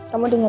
kamu denger ya